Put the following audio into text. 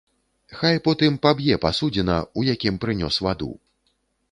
Хай потым паб'е пасудзіна, у якім прынёс ваду.